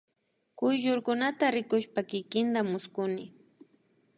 Kuyllurkunata rikushpa kikinta mushkuni